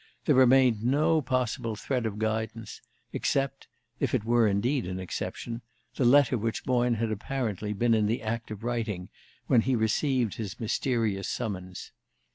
There remained no possible thread of guidance except if it were indeed an exception the letter which Boyne had apparently been in the act of writing when he received his mysterious summons.